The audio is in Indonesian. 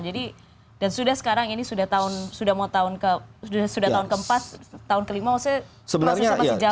jadi dan sudah sekarang ini sudah mau tahun ke empat tahun ke lima maksudnya prosesnya masih jauh